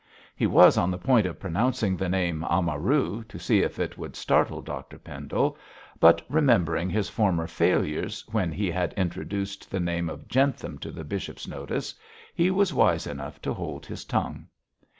He was on the point of pronouncing the name 'Amaru' to see if it would startle Dr Pendle, but remembering his former failures when he had introduced the name of 'Jentham' to the bishop's notice, he was wise enough to hold his tongue.